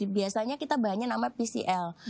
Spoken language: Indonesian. biasanya kita bahannya namanya pcl